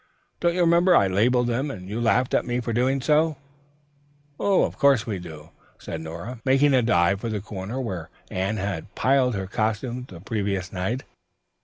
"Don't you remember, I labeled them and you laughed at me for doing so?" "Of course we do," said Nora, making a dive for the corner where Anne had piled her costumes the previous night.